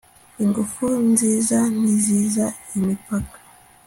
ingufu nziza ntizizi imipaka